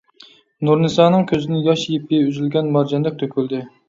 نۇرنىسانىڭ كۆزىدىن ياش يىپى ئۈزۈلگەن مارجاندەك تۆكۈلدى.